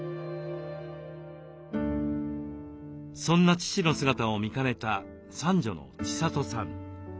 そんな父の姿を見かねた三女の千里さん。